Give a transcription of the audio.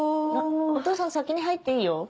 お父さん先に入っていいよ。